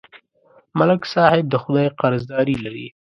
ملک صاحب د خدای قرضداري لري